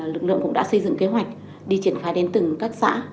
lực lượng cũng đã xây dựng kế hoạch đi triển khai đến từng các xã